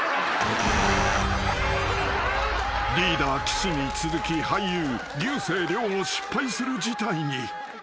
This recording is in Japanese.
［リーダー岸に続き俳優竜星涼も失敗する事態に］